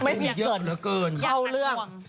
โอ้โหเยอะเหลือเกิน